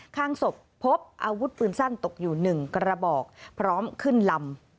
ข้างศพพบอาวุธปืนสั้นตกอยู่๑กระบอกพร้อมขึ้นลำ